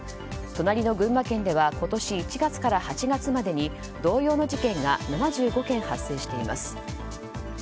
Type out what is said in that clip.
隣の群馬県では今年１月から８月までに同様の事件が７５件発生しています。